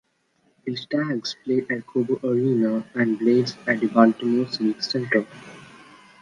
The Stags played at Cobo Arena, and the Blades at the Baltimore Civic Center.